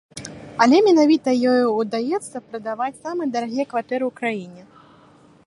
Але менавіта ёй удаецца прадаваць самыя дарагія кватэры ў краіне.